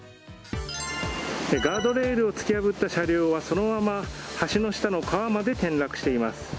ガードレールを突き破った車両はそのまま橋の下の川まで転落しています。